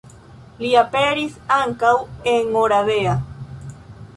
Li aperis ankaŭ en Oradea.